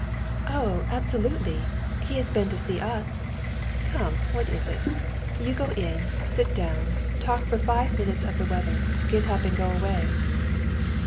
"Oh, absolutely! He has been to see us. Come, what is it? You go in, sit down, talk for five minutes of the weather, get up and go away."